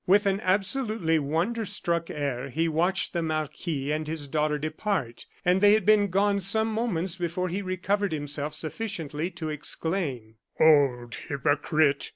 With an absolutely wonderstruck air he watched the marquis and his daughter depart, and they had been gone some moments before he recovered himself sufficiently to exclaim: "Old hypocrite!